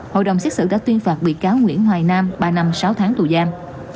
hội đồng xét xử đã tuyên phạt bị cáo nguyễn hoài nam ba năm sáu tháng tù giam